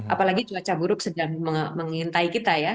apalagi cuaca buruk sedang mengintai kita ya